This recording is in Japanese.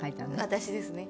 私ですね。